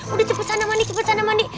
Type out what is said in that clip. udah cepet anda mandi cepet sana mandi